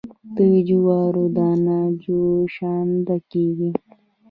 د جوارو دانه جوشانده کیږي.